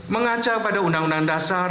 mengacau pada undang undang dasar